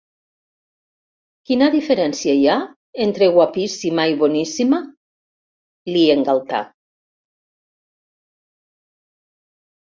Quina diferència hi ha, entre guapíssima i boníssima? —li engaltà.